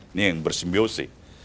ini yang bersimbiosi